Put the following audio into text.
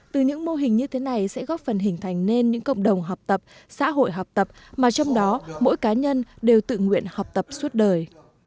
từ những mô hình như thế này sẽ góp phần hình thành nên những cộng đồng học tập xã hội học tập mà trong đó mỗi cá nhân đều tự nguyện học tập suốt đời